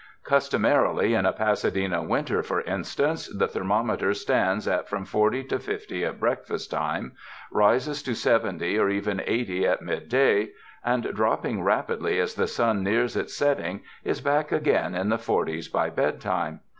Customarily in a Pasadena winter, for instance, the thermometer stands at from forty to fifty at breakfast time, rises to seventy or even eighty at midday, and dropping rapidly as the sun nears its setting, is back again in the forties by bed time.